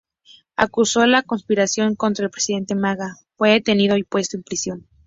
Acusado de conspiración contra el presidente Maga, fue detenido y puesto en prisión.